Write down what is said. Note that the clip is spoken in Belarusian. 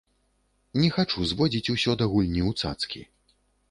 Не хачу зводзіць усё да гульні ў цацкі.